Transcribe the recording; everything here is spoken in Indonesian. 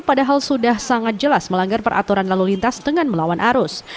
padahal sudah sangat jelas melanggar peraturan lalu lintas dengan melawan arus